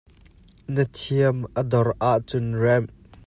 Na thiam a dor ahcun remh.